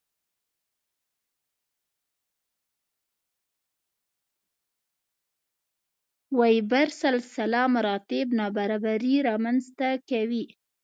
وېبر سلسله مراتب نابرابري رامنځته کوي.